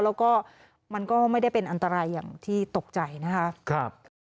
แล้วก็มันก็ไม่ได้เป็นอันตรายอย่างที่ตกใจนะครับ